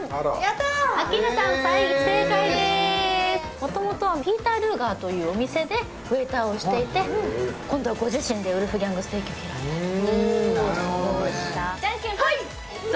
元々ピーター・ルーガーというお店でウェイターをしていて今度はご自身でウルフギャング・ステーキを開いたということでしたなるほどね